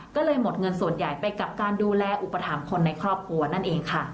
ก็เลยหมดเงินส่วนใหญ่ไปกับการดูแลอุปถัมภ์คนในครอบครัวนั่นเองค่ะ